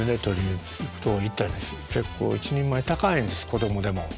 結構１人前高いんです子供でも。